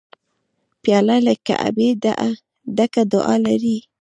پیاله له کعبې ډکه دعا لري.